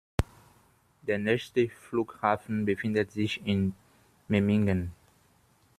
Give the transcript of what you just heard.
Der nächste Flughafen befindet sich in Memmingen.